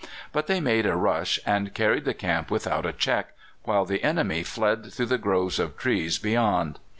But they made a rush and carried the camp without a check, while the enemy fled through the groves of trees beyond.